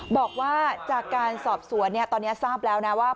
บอกว่าจากการสอบสวนตอนนี้ทราบแล้วนะว่า